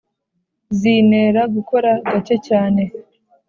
zinera gukora gake cyane